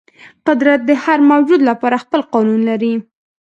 قدرت د هر موجود لپاره خپل قانون لري.